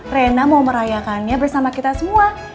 rena mau merayakannya bersama kita semua